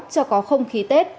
cho có không khí tết